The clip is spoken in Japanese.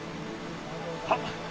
はっ。